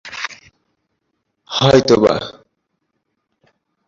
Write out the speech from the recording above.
আঞ্জুমান-ই-ওয়াজিন-ই-বাংলা বিভিন্ন রাজনৈতিক আন্দোলনেও সক্রিয়ভাবে অংশগ্রহণ করে।